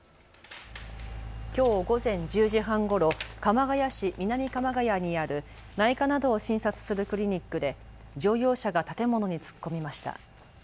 きょう午前１０時半ごろ鎌ケ谷市南鎌ケ谷にある内科などを診察するクリニックで乗用車が建物に突っ込みました。